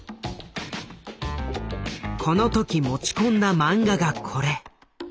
この時持ち込んだ漫画がこれ。